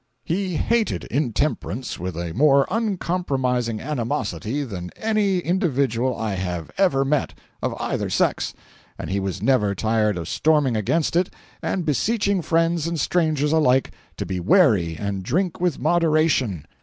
He hated intemperance with a more uncompromising animosity than any individual I have ever met, of either sex; and he was never tired of storming against it and beseeching friends and strangers alike to be wary and drink with moderation.